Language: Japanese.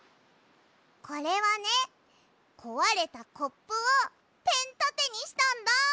これはねこわれたコップをペンたてにしたんだ！